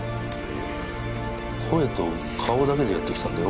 声と顔だけでやってきたんだよ